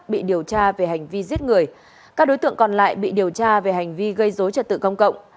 bị điều tra về hành vi giết người các đối tượng còn lại bị điều tra về hành vi gây dối trật tự công cộng